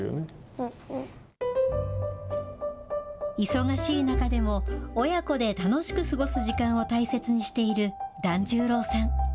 忙しい中でも、親子で楽しく過ごす時間を大切にしている團十郎さん。